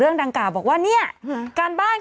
กรมป้องกันแล้วก็บรรเทาสาธารณภัยนะคะ